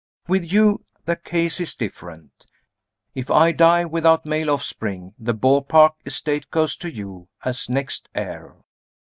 With you, the case is different. If I die without male offspring, the Beaupark estate goes to you, as next heir.